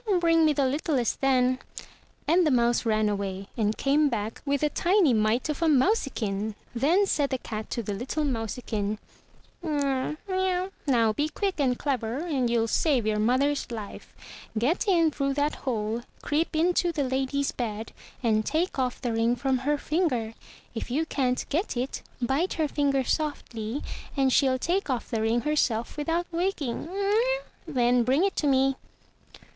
"Bring me the littlest, then." And the mouse ran away, and came back with a tiny mite of a mousikin. Then said the cat to the little mousikin, "Now be quick and clever and you'll save your mother's Ufe. Get in through that hole; creep into the lady's bed, and take off the ring from her finger. If you can't get it, bite her finger softly, and she'll take off the ring herself without waking. Then bring it to me."